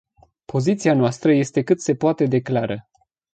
Poziția noastră este cât se poate de clară.